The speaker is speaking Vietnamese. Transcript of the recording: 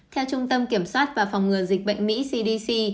theo trung tâm kiểm soát và phòng ngừa dịch bệnh mỹ cdc